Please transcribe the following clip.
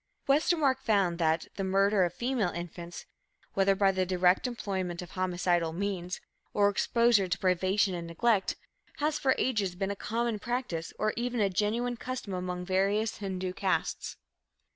Westermark found that "the murder of female infants, whether by the direct employment of homicidal means, or exposure to privation and neglect, has for ages been a common practice or even a genuine custom among various Hindu castes."